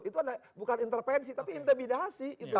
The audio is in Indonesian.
itu bukan intervensi tapi intimidasi